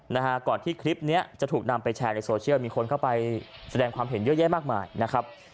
นะฮะก่อนที่คลิปเนี้ยจะถูกนำไปแชร์ในโซเชียลมีคนเข้าไปแสดงความเห็นเยอะแยะมากมายนะครับ